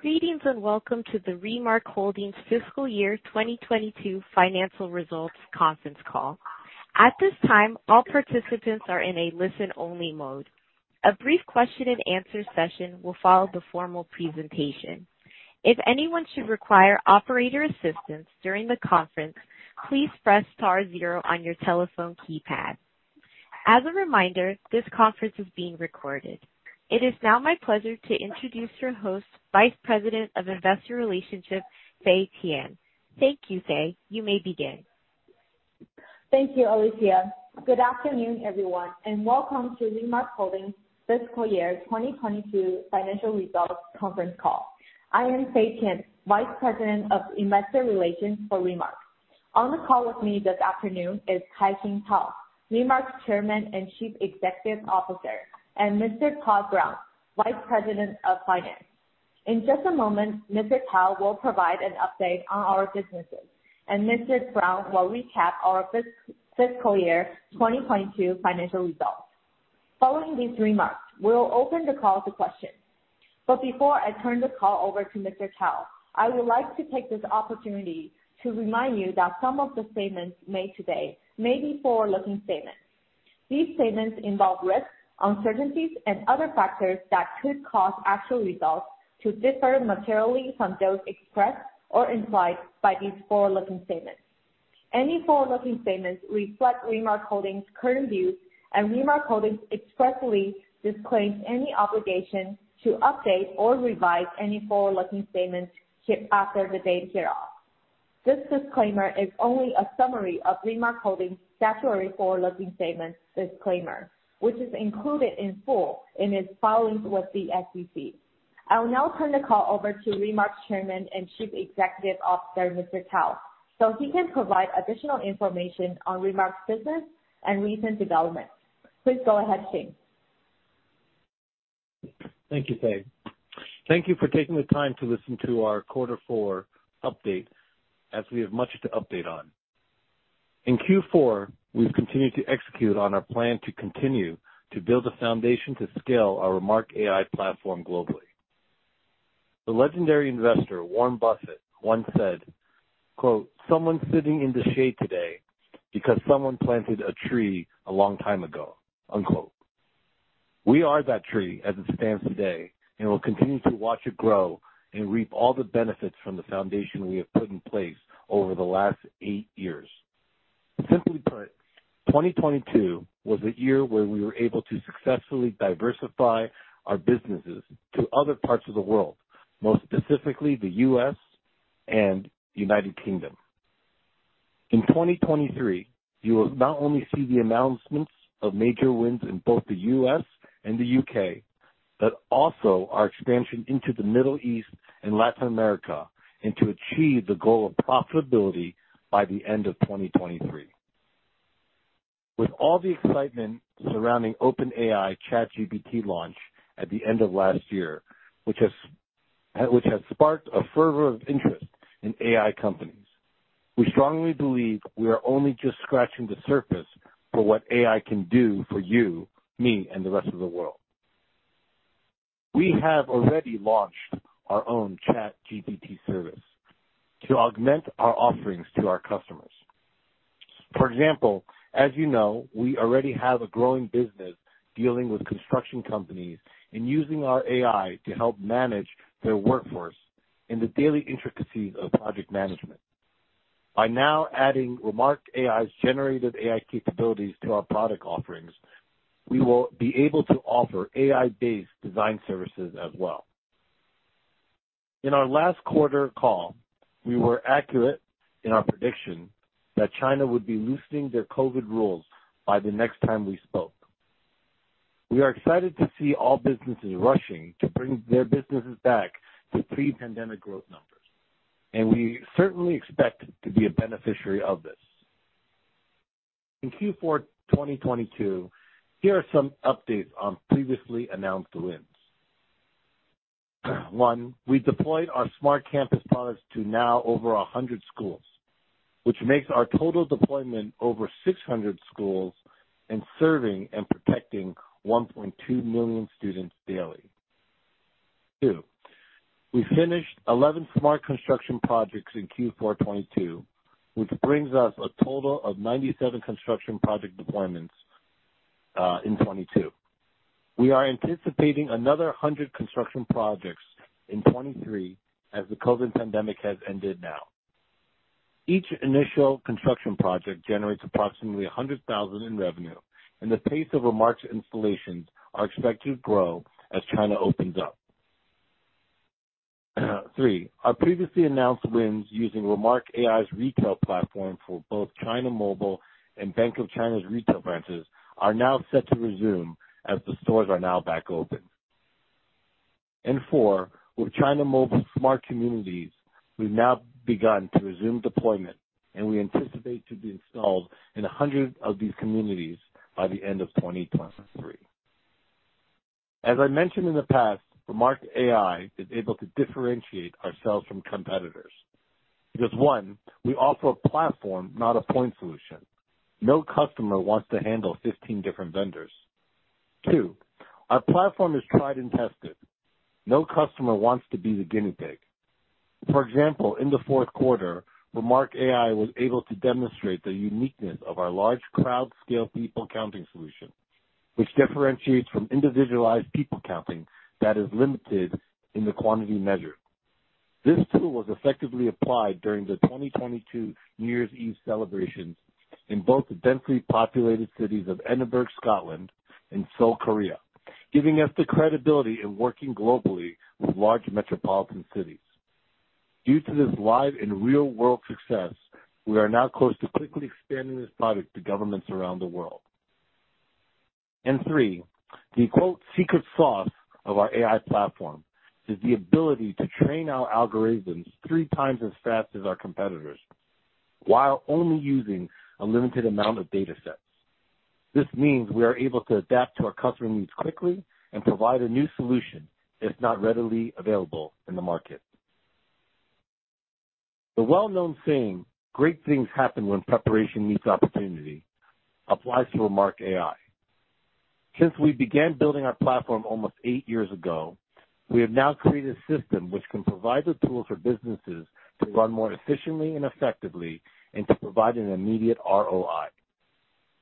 Greetings, welcome to the Remark Holdings Fiscal Year 2022 Financial Results Conference Call. At this time, all participants are in a listen-only mode. A brief question and answer session will follow the formal presentation. If anyone should require operator assistance during the conference, please press star zero on your telephone keypad. As a reminder, this conference is being recorded. It is now my pleasure to introduce your host, Vice President of Investor Relations, Fay Tian. Thank you, Fay. You may begin. Thank you, Alicia. Good afternoon, everyone, welcome to Remark Holdings Fiscal Year 2022 Financial Results Conference Call. I am Fay Tian, Vice President of Investor Relations for Remark. On the call with me this afternoon is Kai-Shing Tao, Remark's Chairman and Chief Executive Officer, and Mr. Todd Brown, Vice President of Finance. In just a moment, Mr. Tao will provide an update on our businesses, and Mr. Brown will recap our fiscal year 2022 financial results. Following these remarks, we'll open the call to questions. Before I turn the call over to Mr. Tao, I would like to take this opportunity to remind you that some of the statements made today may be forward-looking statements. These statements involve risks, uncertainties, and other factors that could cause actual results to differ materially from those expressed or implied by these forward-looking statements. Any forward-looking statements reflect Remark Holdings' current views, and Remark Holdings expressly disclaims any obligation to update or revise any forward-looking statements after the date hereof. This disclaimer is only a summary of Remark Holdings' statutory forward-looking statements disclaimer, which is included in full and is filed with the SEC. I'll now turn the call over to Remark's Chairman and Chief Executive Officer, Mr. Tao, so he can provide additional information on Remark's business and recent developments. Please go ahead, Kai-Shing. Thank you, Fay. Thank you for taking the time to listen to our quarter four update as we have much to update on. In Q4, we've continued to execute on our plan to continue to build a foundation to scale our Remark AI platform globally. The legendary investor Warren Buffett once said, quote, "Someone's sitting in the shade today because someone planted a tree a long time ago." Unquote. We are that tree as it stands today, and we'll continue to watch it grow and reap all the benefits from the foundation we have put in place over the last eight years. Simply put, 2022 was a year where we were able to successfully diversify our businesses to other parts of the world, most specifically the U.S. and United Kingdom. In 2023, you will not only see the announcements of major wins in both the U.S. and the U.K., but also our expansion into the Middle East and Latin America and to achieve the goal of profitability by the end of 2023. With all the excitement surrounding OpenAI ChatGPT launch at the end of last year, which has sparked a fervor of interest in AI companies, we strongly believe we are only just scratching the surface for what AI can do for you, me, and the rest of the world. We have already launched our own ChatGPT service to augment our offerings to our customers. For example, as you know, we already have a growing business dealing with construction companies and using our AI to help manage their workforce in the daily intricacies of project management. By now adding Remark AI's generative AI capabilities to our product offerings, we will be able to offer AI-based design services as well. In our last quarter call, we were accurate in our prediction that China would be loosening their COVID rules by the next time we spoke. We are excited to see all businesses rushing to bring their businesses back to pre-pandemic growth numbers. We certainly expect to be a beneficiary of this. In Q4 2022, here are some updates on previously announced wins. One, we deployed our Smart Campus products to now over 100 schools, which makes our total deployment over 600 schools and serving and protecting 1.2 million students daily. Two. We finished 11 Smart Construction projects in Q4 2022, which brings us a total of 97 construction project deployments in 2022. We are anticipating another 100 construction projects in 2023 as the COVID pandemic has ended now. Each initial construction project generates approximately $100,000 in revenue, and the pace of Remark's installations are expected to grow as China opens up. Three, our previously announced wins using Remark AI's retail platform for both China Mobile and Bank of China's retail branches are now set to resume as the stores are now back open. Four, with China Mobile smart communities, we've now begun to resume deployment, and we anticipate to be installed in 100 of these communities by the end of 2023. As I mentioned in the past, Remark AI is able to differentiate ourselves from competitors. Because one, we offer a platform, not a point solution. No customer wants to handle 15 different vendors. Two, our platform is tried and tested. No customer wants to be the guinea pig. For example, in the fourth quarter, Remark AI was able to demonstrate the uniqueness of our large crowd scale people counting solution, which differentiates from individualized people counting that is limited in the quantity measure. This tool was effectively applied during the 2022 New Year's Eve celebrations in both the densely populated cities of Edinburgh, Scotland and Seoul, Korea, giving us the credibility in working globally with large metropolitan cities. Three. the quote, "secret sauce" of our AI platform is the ability to train our algorithms 3 times as fast as our competitors while only using a limited amount of datasets. This means we are able to adapt to our customer needs quickly and provide a new solution if not readily available in the market. The well-known saying, great things happen when preparation meets opportunity applies to Remark AI. Since we began building our platform almost eight years ago, we have now created a system which can provide the tools for businesses to run more efficiently and effectively and to provide an immediate ROI.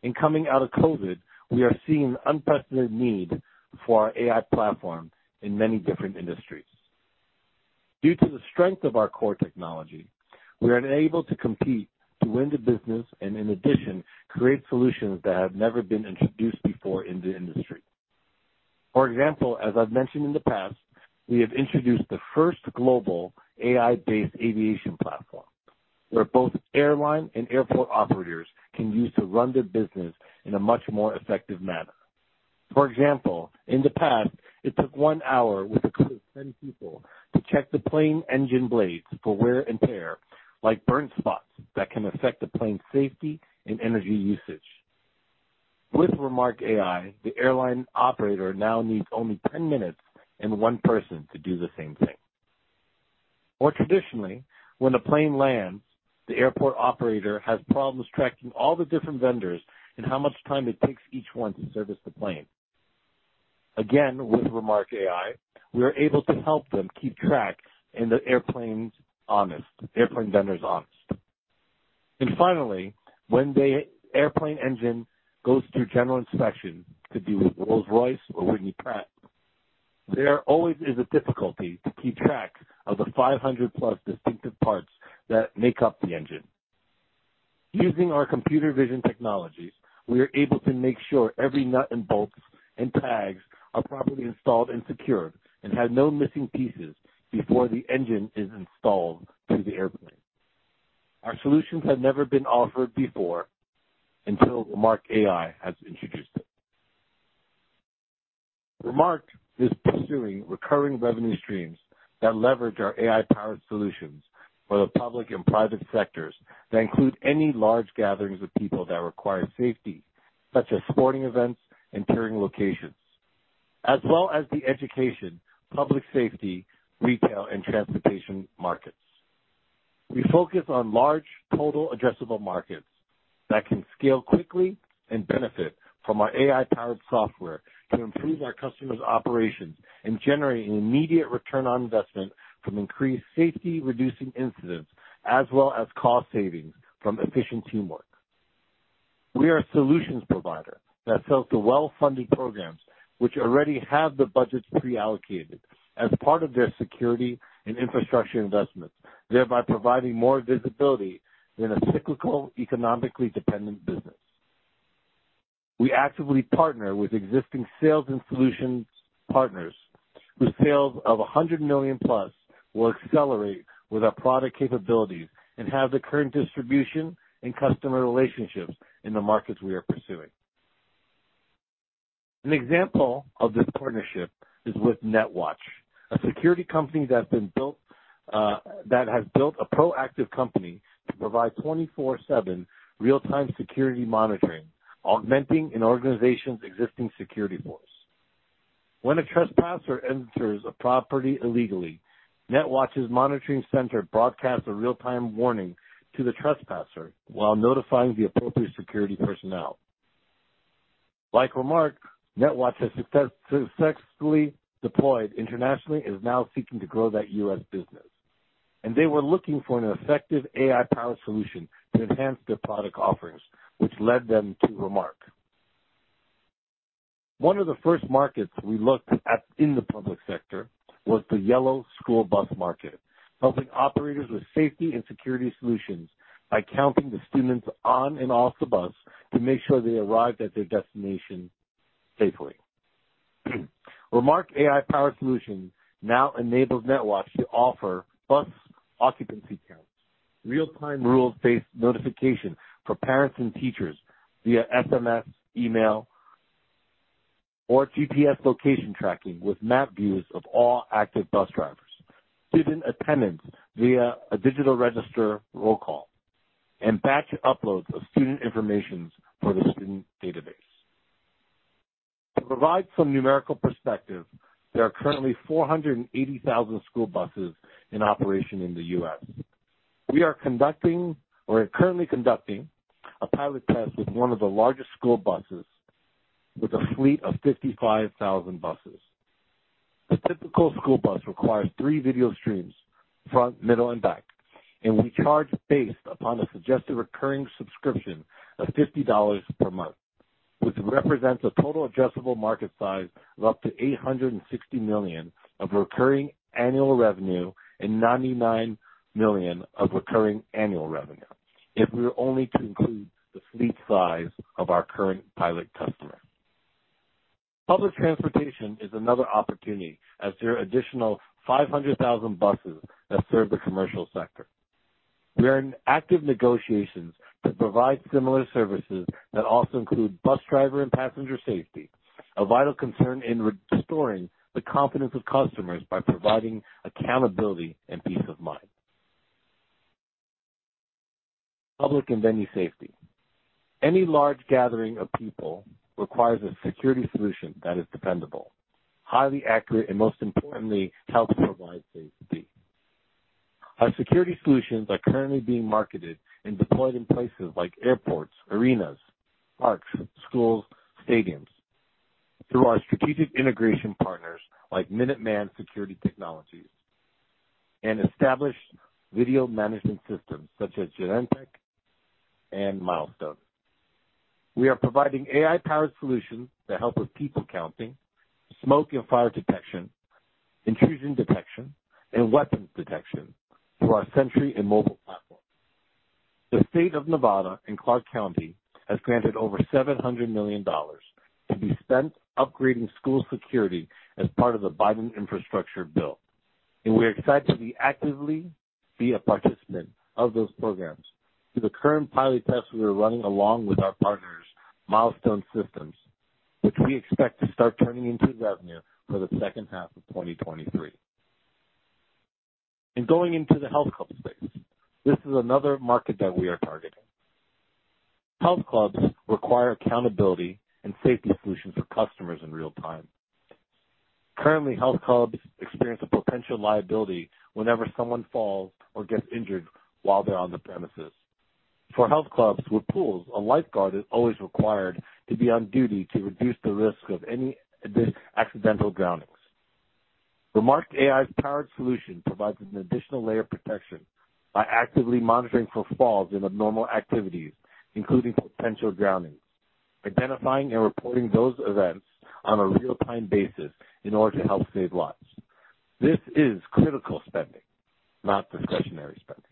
In coming out of COVID, we are seeing unprecedented need for our AI platform in many different industries. Due to the strength of our core technology, we are then able to compete to win the business and in addition, create solutions that have never been introduced before in the industry. For example, as I've mentioned in the past, we have introduced the first global AI-based aviation platform, where both airline and airport operators can use to run their business in a much more effective manner. For example, in the past, it took 1 hour with a crew of 10 people to check the plane engine blades for wear and tear, like burnt spots that can affect the plane's safety and energy usage. With Remark AI, the airline operator now needs only 10 minutes and 1 person to do the same thing. More traditionally, when a plane lands, the airport operator has problems tracking all the different vendors and how much time it takes each one to service the plane. Again, with Remark AI, we are able to help them keep track and the airplanes honest, airplane vendors honest. Finally, when the airplane engine goes through general inspection to do with Rolls-Royce or Whitney Pratt, there always is a difficulty to keep track of the 500+ distinctive parts that make up the engine. Using our computer vision technologies, we are able to make sure every nut and bolts and tags are properly installed and secured and have no missing pieces before the engine is installed to the airplane. Our solutions have never been offered before until Remark AI has introduced it. Remark is pursuing recurring revenue streams that leverage our AI-powered solutions for the public and private sectors that include any large gatherings of people that require safety, such as sporting events and touring locations. As well as the education, public safety, retail, and transportation markets. We focus on large total addressable markets that can scale quickly and benefit from our AI-powered software to improve our customers' operations and generate an immediate return on investment from increased safety, reducing incidents, as well as cost savings from efficient teamwork. We are a solutions provider that sells to well-funded programs which already have the budgets pre-allocated as part of their security and infrastructure investments, thereby providing more visibility in a cyclical, economically dependent business. We actively partner with existing sales and solutions partners whose sales of $100 million+ will accelerate with our product capabilities and have the current distribution and customer relationships in the markets we are pursuing. An example of this partnership is with Netwatch, a security company that has built a proactive company to provide 24/7 real-time security monitoring, augmenting an organization's existing security force. When a trespasser enters a property illegally, Netwatch's monitoring center broadcasts a real-time warning to the trespasser while notifying the appropriate security personnel. Like Remark, Netwatch has successfully deployed internationally and is now seeking to grow that U.S. business. They were looking for an effective AI-powered solution to enhance their product offerings, which led them to Remark. One of the first markets we looked at in the public sector was the yellow school bus market, helping operators with safety and security solutions by counting the students on and off the bus to make sure they arrived at their destination safely. Remark AI-powered solution now enables Netwatch to offer bus occupancy counts, real-time rules-based notification for parents and teachers via SMS, email or GPS location tracking with map views of all active bus drivers, student attendance via a digital register roll call, and batch uploads of student information for the student database. To provide some numerical perspective, there are currently 480,000 school buses in operation in the U.S. We are currently conducting a pilot test with one of the largest school buses with a fleet of 55,000 buses. The typical school bus requires 3 video streams, front, middle, and back, and we charge based upon a suggested recurring subscription of $50 per month, which represents a total addressable market size of up to $860 million of recurring annual revenue and $99 million of recurring annual revenue if we were only to include the fleet size of our current pilot customer. Public transportation is another opportunity as there are additional 500,000 buses that serve the commercial sector. We are in active negotiations to provide similar services that also include bus driver and passenger safety, a vital concern in restoring the confidence of customers by providing accountability and peace of mind. Public and venue safety. Any large gathering of people requires a security solution that is dependable, highly accurate, and most importantly, helps provide safety. Our security solutions are currently being marketed and deployed in places like airports, arenas, parks, schools, stadiums through our strategic integration partners like Minuteman Security Technologies and established video management systems such as Genetec and Milestone. We are providing AI-powered solutions that help with people counting, smoke and fire detection, intrusion detection, and weapons detection through our Sentry and mobile platforms. The state of Nevada and Clark County has granted over $700 million to be spent upgrading school security as part of the Biden Infrastructure Bill, we are excited to actively be a participant of those programs through the current pilot tests we are running along with our partners, Milestone Systems, which we expect to start turning into revenue for the second half of 2023. Going into the health club space, this is another market that we are targeting. Health clubs require accountability and safety solutions for customers in real time. Currently, health clubs experience a potential liability whenever someone falls or gets injured while they're on the premises. For health clubs with pools, a lifeguard is always required to be on duty to reduce the risk of any accidental drownings. Remark's AI-powered solution provides an additional layer of protection by actively monitoring for falls and abnormal activities, including potential drownings, identifying and reporting those events on a real-time basis in order to help save lives. This is critical spending, not discretionary spending.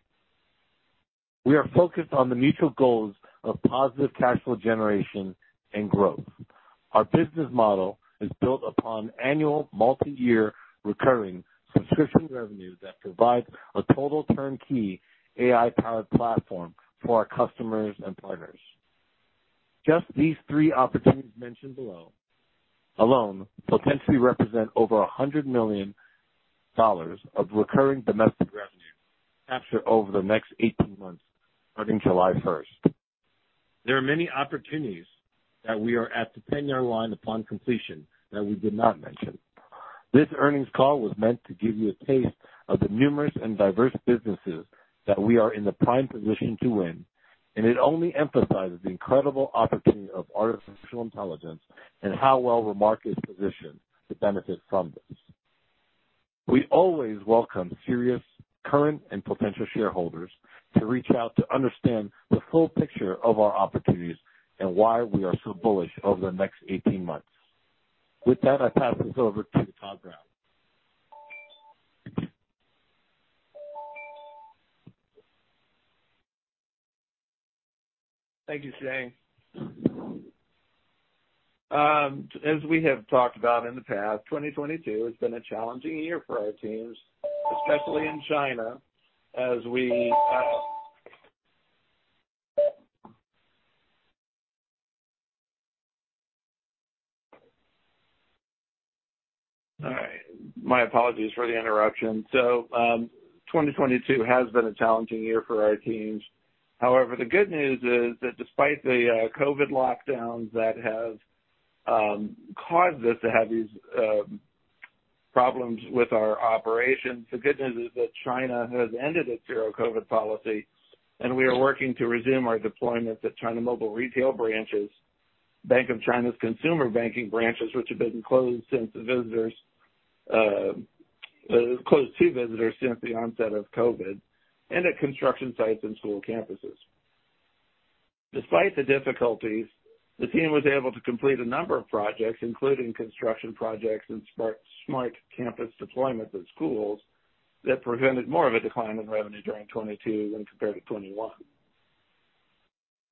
We are focused on the mutual goals of positive cash flow generation and growth. Our business model is built upon annual multi-year recurring subscription revenue that provides a total turnkey AI-powered platform for our customers and partners. Just these three opportunities mentioned below alone potentially represent over $100 million of recurring domestic revenue captured over the next 18 months starting July 1st. There are many opportunities that we are at the 10-year line upon completion that we did not mention. This earnings call was meant to give you a taste of the numerous and diverse businesses that we are in the prime position to win. It only emphasizes the incredible opportunity of artificial intelligence and how well Remark is positioned to benefit from this. We always welcome serious current and potential shareholders to reach out to understand the full picture of our opportunities and why we are so bullish over the next 18 months. With that, I pass this over to Todd Brown. Thank you, ShING. My apologies for the interruption. 2022 has been a challenging year for our teams. The good news is that despite the COVID lockdowns that have caused us to have these problems with our operations, the good news is that China has ended its zero-COVID policy and we are working to resume our deployments at China Mobile retail branches, Bank of China's consumer banking branches, which have been closed to visitors since the onset of COVID, and at construction sites and school campuses. Despite the difficulties, the team was able to complete a number of projects, including construction projects and Smart Campus deployments at schools that prevented more of a decline in revenue during 2022 when compared to 2021.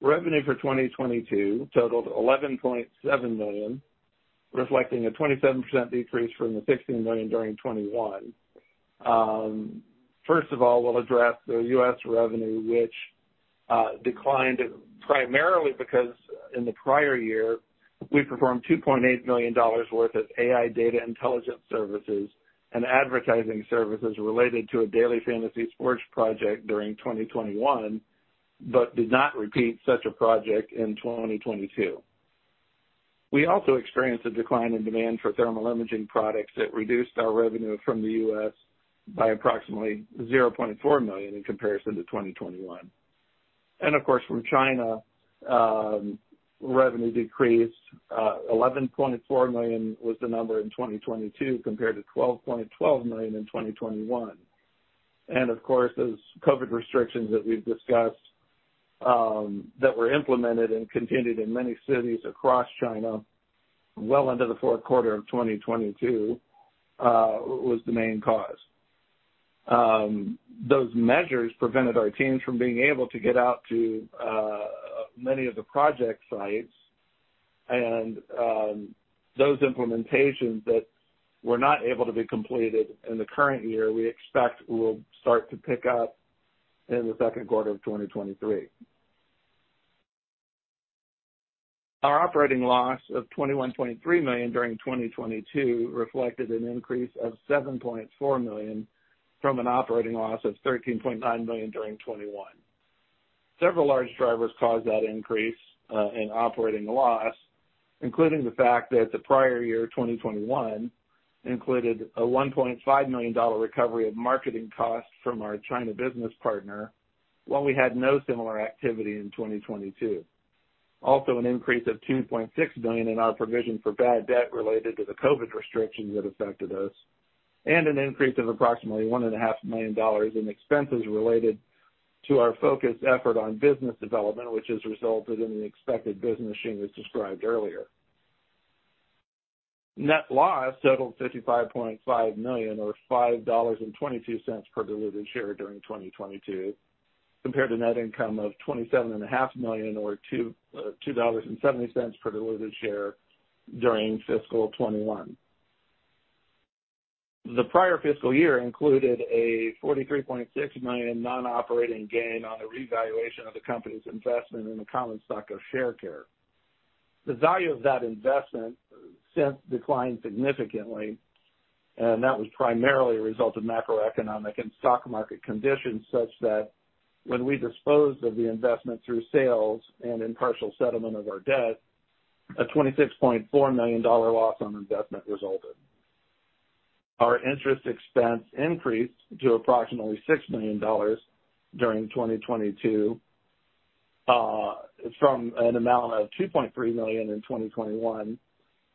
Revenue for 2022 totaled $11.7 million, reflecting a 27% decrease from the $16 million during 2021. First of all, we'll address the U.S. revenue, which declined primarily because in the prior year we performed $2.8 million worth of AI data intelligence services and advertising services related to a daily fantasy sports project during 2021. Did not repeat such a project in 2022. We also experienced a decline in demand for thermal imaging products that reduced our revenue from the U.S. by approximately $0.4 million in comparison to 2021. Of course, from China, revenue decreased, $11.4 million was the number in 2022 compared to $12.12 million in 2021. Of course, those COVID restrictions that we've discussed, that were implemented and continued in many cities across China well into the fourth quarter of 2022, was the main cause. Those measures prevented our teams from being able to get out to many of the project sites and those implementations that were not able to be completed in the current year, we expect will start to pick up in the second quarter of 2023. Our operating loss of $21.3 million during 2022 reflected an increase of $7.4 million from an operating loss of $13.9 million during 2021. Several large drivers caused that increase in operating loss, including the fact that the prior year, 2021, included a $1.5 million recovery of marketing costs from our China business partner, while we had no similar activity in 2022. An increase of $2.6 million in our provision for bad debt related to the COVID restrictions that affected us, and an increase of approximately one and a half million dollars in expenses related to our focused effort on business development, which has resulted in the expected business Shing has described earlier. Net loss totaled $55.5 million or $5.22 per diluted share during 2022, compared to net income of twenty-seven and a half million or $2.70 per diluted share during fiscal 2021. The prior fiscal year included a $43.6 million non-operating gain on the revaluation of the company's investment in the common stock of Sharecare. The value of that investment since declined significantly, and that was primarily a result of macroeconomic and stock market conditions, such that when we disposed of the investment through sales and in partial settlement of our debt, a $26.4 million loss on investment resulted. Our interest expense increased to approximately $6 million during 2022, from an amount of $2.3 million in 2021,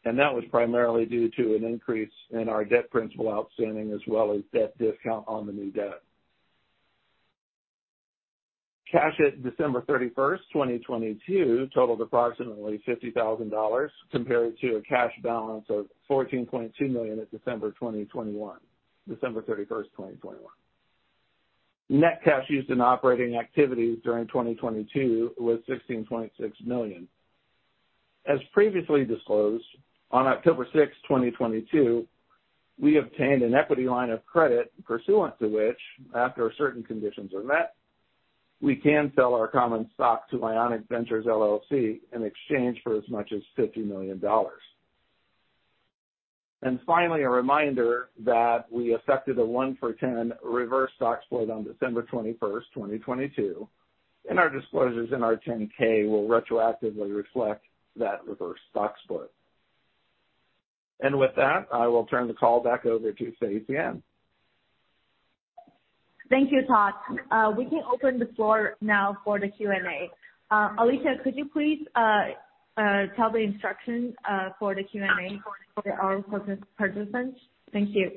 and that was primarily due to an increase in our debt principal outstanding as well as debt discount on the new debt. Cash at December 31, 2022 totaled approximately $50,000 compared to a cash balance of $14.2 million at December 2021, December 31, 2021. Net cash used in operating activities during 2022 was $16.6 million. As previously disclosed, on October 6, 2022, we obtained an equity line of credit pursuant to which, after certain conditions are met, we can sell our common stock to Ionic Ventures LLC in exchange for as much as $50 million. Finally, a reminder that we effected a one-for-10 reverse stock split on December 21, 2022, and our disclosures in our 10-K will retroactively reflect that reverse stock split. With that, I will turn the call back over to Fay Tian. Thank you, Todd. We can open the floor now for the Q&A. Alicia, could you please tell the instructions for the Q&A for all participants? Thank you.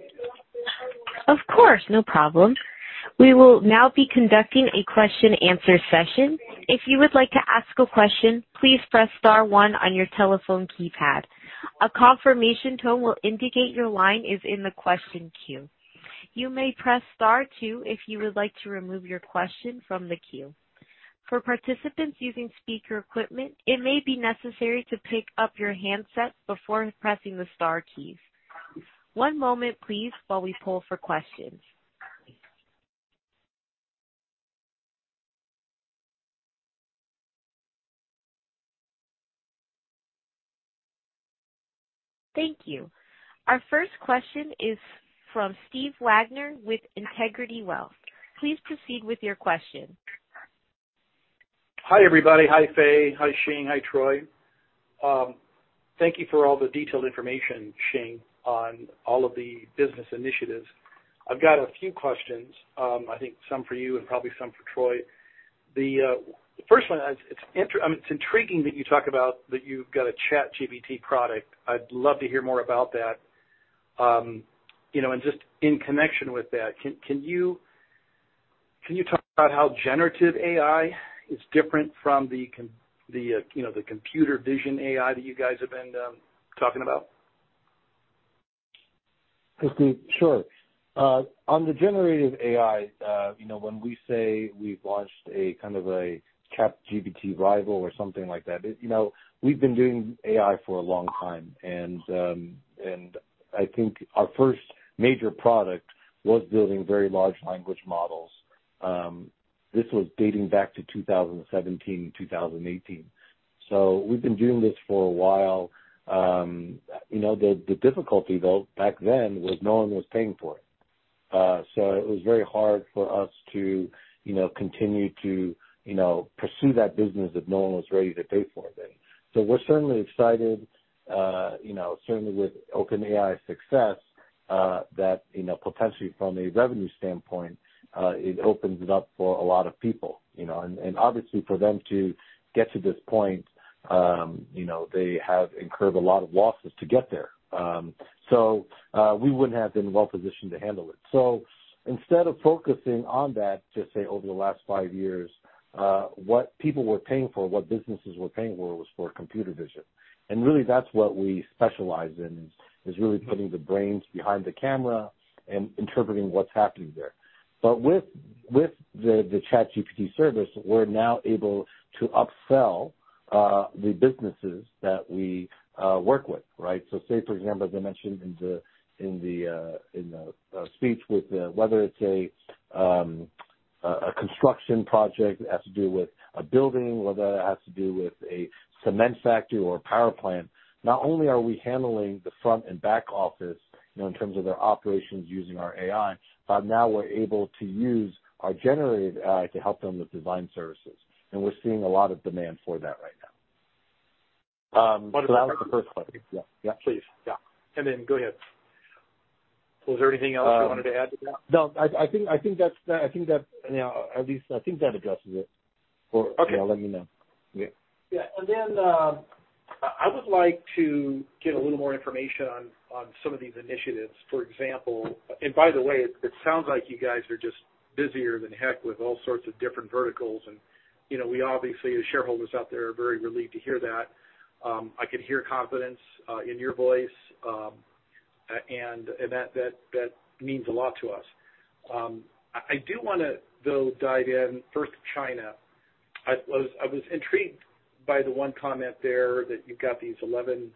Of course. No problem. We will now be conducting a question answer session. If you would like to ask a question, please press star one on your telephone keypad. A confirmation tone will indicate your line is in the question queue. You may press Star two if you would like to remove your question from the queue. For participants using speaker equipment, it may be necessary to pick up your handset before pressing the star keys. One moment, please, while we poll for questions. Thank you. Our first question is from Steve Wagner with Integrity Wealth. Please proceed with your question. Hi, everybody. Hi, Fay. Hi, Shing. Hi, Todd. Thank you for all the detailed information, Shing, on all of the business initiatives. I've got a few questions, I think some for you and probably some for Troy. The first one, I mean, it's intriguing that you talk about that you've got a ChatGPT product. I'd love to hear more about that. You know, and just in connection with that, can you talk about how generative AI is different from the, you know, the computer vision AI that you guys have been talking about? Hi, Steve. Sure. on the generative AI, you know, when we say we've launched a kind of a ChatGPT rival or something like that. You know, we've been doing AI for a long time. I think our first major product was building very large language models. This was dating back to 2017, 2018. We've been doing this for a while. you know, the difficulty though back then was no one was paying for it. It was very hard for us to, you know, continue to, you know, pursue that business if no one was ready to pay for it then. We're certainly excited, you know, certainly with OpenAI success, that, you know, potentially from a revenue standpoint, it opens it up for a lot of people, you know. Obviously for them to get to this point, you know, they have incurred a lot of losses to get there. We wouldn't have been well-positioned to handle it. Instead of focusing on that, just say over the last five years, what people were paying for, what businesses were paying for was for computer vision. Really that's what we specialize in, is really putting the brains behind the camera and interpreting what's happening there. With the ChatGPT service, we're now able to upsell the businesses that we work with, right? Say, for example, as I mentioned in the speech with the, whether it's a construction project that has to do with a building, whether it has to do with a cement factory or a power plant, not only are we handling the front and back office, you know, in terms of their operations using our AI, but now we're able to use our generated AI to help them with design services. We're seeing a lot of demand for that right now. Um, That was the first question. Yeah. Yeah. Please. Yeah. Go ahead. Was there anything else you wanted to add to that? No. I think that's, I think that, you know, at least I think that addresses it. Okay. Yeah, let me know. Yeah. I would like to get a little more information on some of these initiatives. For example. By the way, it sounds like you guys are just busier than heck with all sorts of different verticals. You know, we obviously, as shareholders out there, are very relieved to hear that. I could hear confidence in your voice, and that means a lot to us. I do wanna though dive in first to China. I was intrigued by the one comment there that you've got these 11,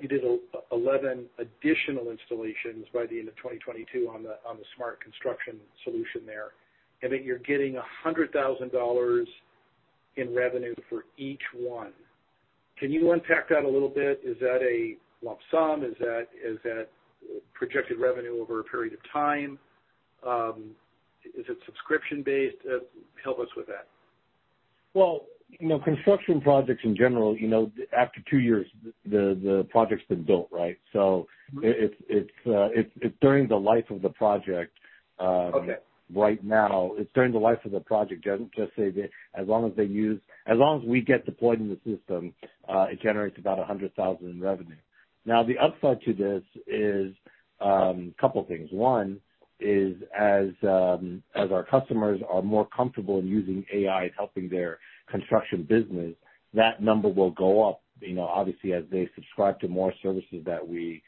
you did 11 additional installations by the end of 2022 on the Smart Construction solution there, and that you're getting $100,000 in revenue for each one. Can you unpack that a little bit? Is that a lump sum? Is that projected revenue over a period of time? Is it subscription-based? Help us with that. Well, you know, construction projects in general, you know, after two years the project's been built, right? It's during the life of the project. Okay. Right now, it's during the life of the project. Just say that as long as they use, as long as we get deployed in the system, it generates about $100,000 in revenue. The upside to this is, couple things. One is as our customers are more comfortable in using AI, helping their construction business, that number will go up, you know, obviously as they subscribe to more services that we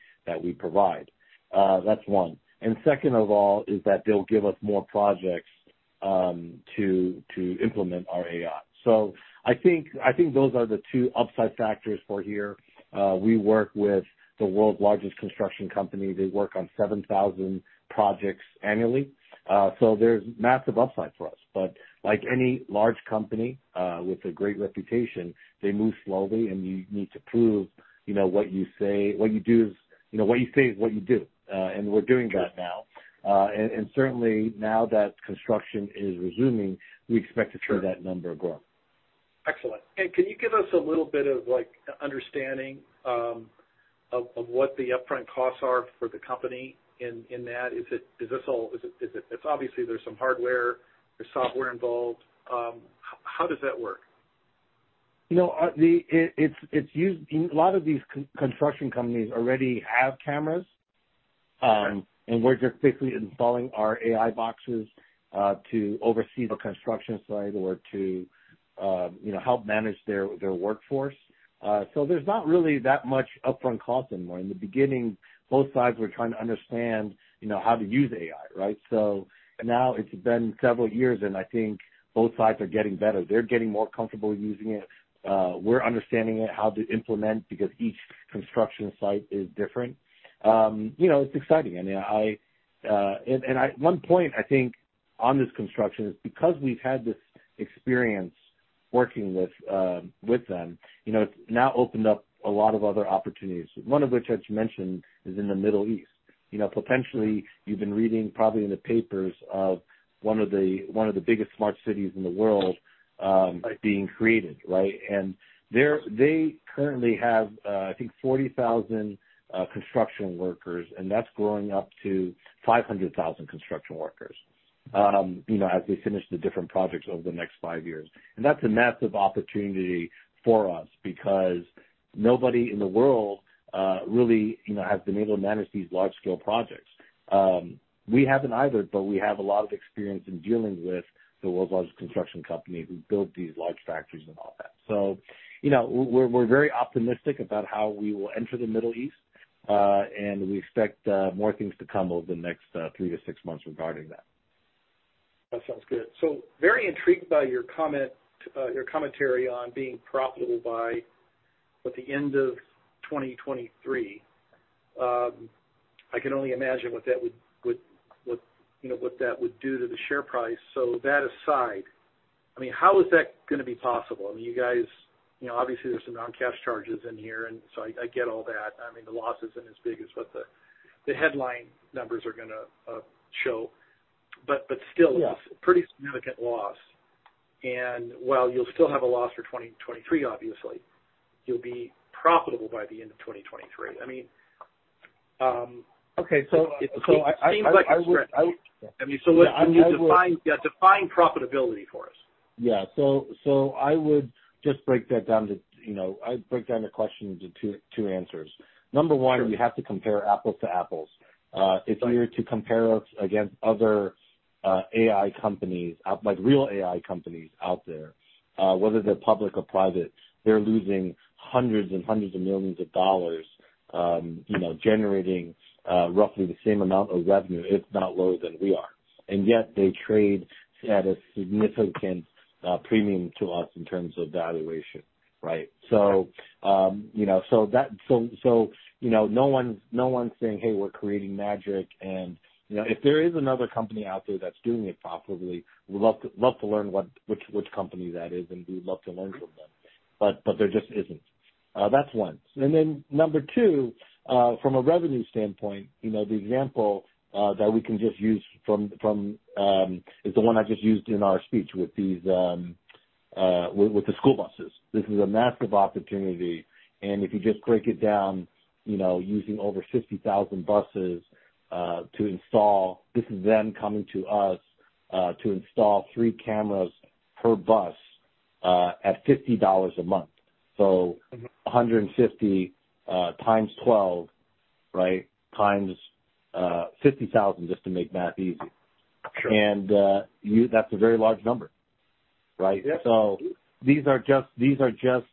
provide. That's one. Second of all is that they'll give us more projects to implement our AI. I think those are the two upside factors for here. We work with the world's largest construction company. They work on 7,000 projects annually. There's massive upside for us. Like any large company, with a great reputation, they move slowly and you need to prove, you know, what you say, what you do is, you know, what you say is what you do. We're doing that now. Certainly now that construction is resuming, we expect to see that number grow. Excellent. Can you give us a little bit of like understanding, of what the upfront costs are for the company in that? Is this all? It's obviously there's some hardware, there's software involved. How does that work? You know, it's used. A lot of these construction companies already have cameras. We're just basically installing our AI boxes to oversee the construction site or to, you know, help manage their workforce. There's not really that much upfront cost anymore. In the beginning, both sides were trying to understand, you know, how to use AI, right? Now it's been several years, and I think both sides are getting better. They're getting more comfortable using it. We're understanding it, how to implement, because each construction site is different. You know, it's exciting. I mean, I One point I think on this construction is because we've had this experience working with them, you know, it's now opened up a lot of other opportunities, one of which, as you mentioned, is in the Middle East. You know, potentially you've been reading probably in the papers of one of the biggest smart cities in the world... Right. -being created, right? They currently have, I think 40,000 construction workers, and that's growing up to 500,000 construction workers, you know, as we finish the different projects over the next five years. That's a massive opportunity for us because nobody in the world, really, you know, has been able to manage these large scale projects. We haven't either, but we have a lot of experience in dealing with the world's largest construction company who build these large factories and all that. You know, we're very optimistic about how we will enter the Middle East, and we expect more things to come over the next three to six months regarding that. That sounds good. Very intrigued by your comment, your commentary on being profitable by the end of 2023. I can only imagine what that would, what, you know, what that would do to the share price. That aside, I mean, how is that gonna be possible? I mean, you guys, you know, obviously there's some non-cash charges in here, and so I get all that. I mean, the loss isn't as big as what the headline numbers are gonna show, but still... Yeah. It's a pretty significant loss. While you'll still have a loss for 2023, obviously, you'll be profitable by the end of 2023. I mean, Okay. I would- It seems like a stretch. I mean, let's define... Yeah, define profitability for us. Yeah. I would just break that down to, you know, I'd break down the question into two answers. Number one. Sure. You have to compare apples to apples. Right. If you were to compare us against other, AI companies out, like real AI companies out there, whether they're public or private, they're losing hundreds and hundreds of millions of dollars, you know, generating, roughly the same amount of revenue, if not lower than we are. Yet they trade at a significant, premium to us in terms of valuation, right? Right. you know, no one's saying, "Hey, we're creating magic." You know, if there is another company out there that's doing it profitably, we'd love to learn which company that is, and we'd love to learn from them. There just isn't. That's one. Then number two, from a revenue standpoint, you know, the example that we can just use from is the one I just used in our speech with the school buses. This is a massive opportunity, if you just break it down, you know, using over 60,000 buses to install, this is them coming to us, to install 3 cameras per bus, at $50 a month. Mm-hmm. 150, times 12, right? Times, 50,000, just to make math easy. Sure. That's a very large number, right? Yeah. These are just.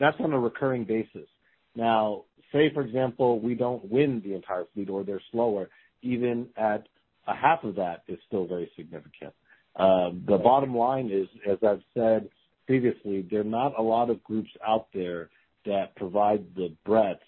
That's on a recurring basis. Now, say, for example, we don't win the entire fleet or they're slower, even at a half of that is still very significant. Right. The bottom line is, as I've said previously, there are not a lot of groups out there that provide the breadth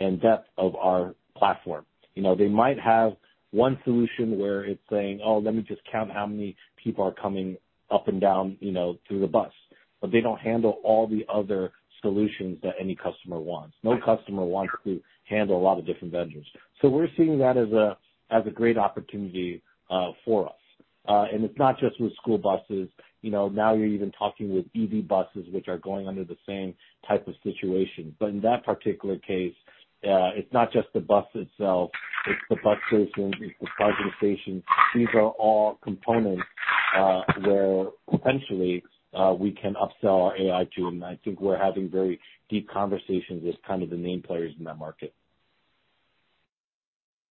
and depth of our platform. You know, they might have one solution where it's saying, "Oh, let me just count how many people are coming up and down, you know, through the bus," but they don't handle all the other solutions that any customer wants. Right. No customer wants to handle a lot of different vendors. We're seeing that as a great opportunity for us. It's not just with school buses. You know, now you're even talking with EV buses, which are going under the same type of situation. In that particular case, it's not just the bus itself, it's the bus station, it's the charging station. These are all components where potentially we can upsell our AI to. I think we're having very deep conversations with kind of the main players in that market.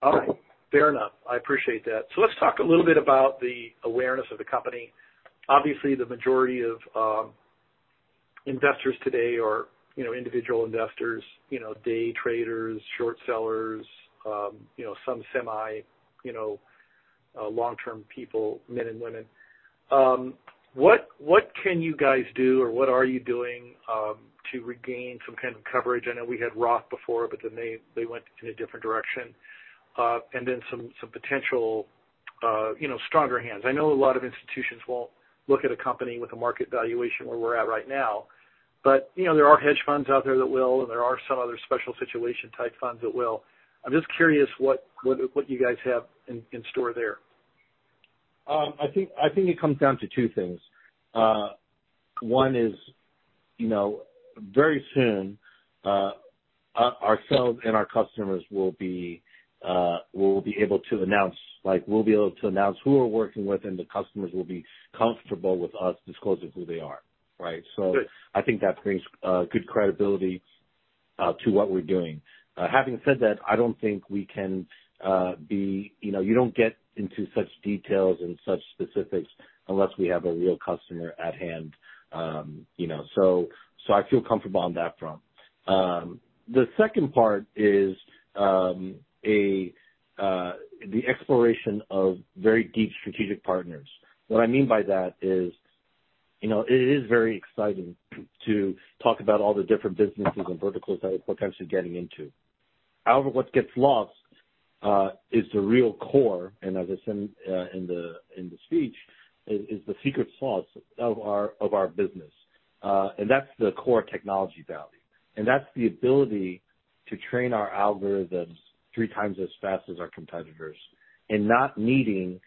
All right. Fair enough. I appreciate that. Let's talk a little bit about the awareness of the company. Obviously, the majority of investors today are, you know, individual investors, you know, day traders, short sellers, you know, some semi, you know, long-term people, men and women. What can you guys do or what are you doing to regain some kind of coverage? I know we had Roth before, but then they went in a different direction. Some potential, you know, stronger hands. I know a lot of institutions won't look at a company with a market valuation where we're at right now, but, you know, there are hedge funds out there that will, and there are some other special situation type funds that will. I'm just curious what you guys have in store there. I think it comes down to two things. One is, you know, very soon, ourselves and our customers will be able to announce who we're working with, and the customers will be comfortable with us disclosing who they are, right? Good. I think that brings good credibility to what we're doing. Having said that, I don't think we can be. You know, you don't get into such details and such specifics unless we have a real customer at hand. You know, so I feel comfortable on that front. The second part is the exploration of very deep strategic partners. What I mean by that is, you know, it is very exciting to talk about all the different businesses and verticals that we're potentially getting into. What gets lost is the real core, and as I said, in the speech, is the secret sauce of our business. That's the core technology value, and that's the ability to train our algorithms three times as fast as our competitors and not needing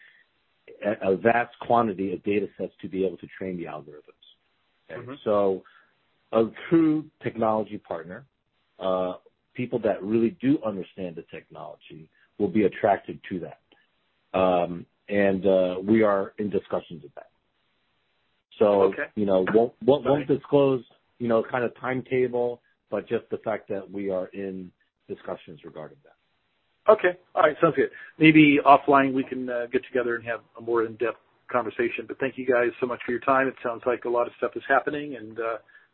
a vast quantity of datasets to be able to train the algorithms. Okay? Mm-hmm. A true technology partner, people that really do understand the technology will be attracted to that. We are in discussions with that. Okay. You know. Got it. Won't disclose, you know, kind of timetable, but just the fact that we are in discussions regarding that. Okay. All right. Sounds good. Maybe offline we can get together and have a more in-depth conversation. Thank you guys so much for your time. It sounds like a lot of stuff is happening, and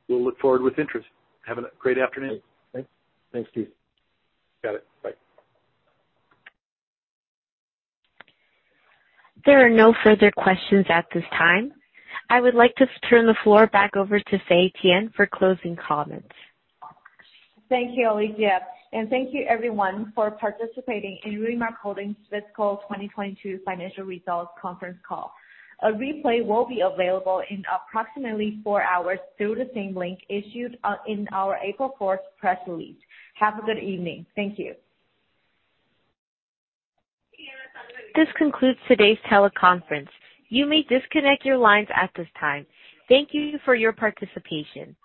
we'll look forward with interest. Have a great afternoon. Thanks. Thanks, Steve. Got it. Bye. There are no further questions at this time. I would like to turn the floor back over to Fay Tian for closing comments. Thank you, Alicia, and thank you everyone for participating in Remark Holdings' Fiscal 2022 Financial Results Conference Call. A replay will be available in approximately four hours through the same link issued in our April 4 press release. Have a good evening. Thank you. This concludes today's teleconference. You may disconnect your lines at this time. Thank you for your participation.